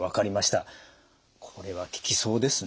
これは効きそうですね。